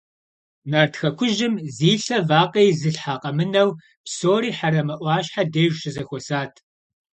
Нарт хэкужьым зи лъэ вакъэ изылъхьэ къэмынэу псори Хьэрэмэ Ӏуащхьэ деж щызэхуэсат.